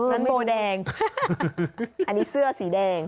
โบแดงอันนี้เสื้อสีแดง